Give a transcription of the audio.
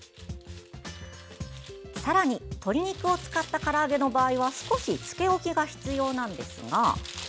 さらに、鶏肉を使ったから揚げの場合は少し漬け置きが必要ですが。